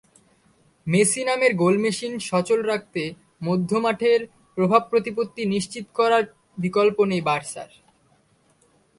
Messi নামের গোলমেশিন সচল রাখতে মধ্যমাঠের প্রভাব-প্রতিপত্তি নিশ্চিত করার বিকল্প নেই বার্সার।